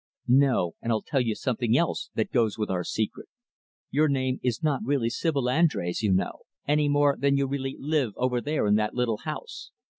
"No, and I'll tell you something else that goes with our secret. Your name is not really Sibyl Andrés, you know any more than you really live over there in that little house.